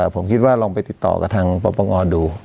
ผมคิดว่าลองไปติดต่อกับทางปปงดู